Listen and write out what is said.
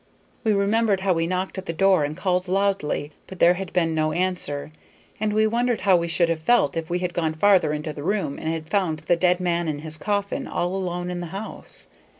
We remembered how we knocked at the door and called loudly, but there had been no answer, and we wondered how we should have felt if we had gone farther into the room and had found the dead man in his coffin, all alone in the house.